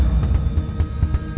apa yang mau dibahas